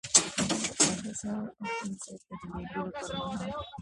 د احضار او بل ځای ته د لیږلو پر مهال.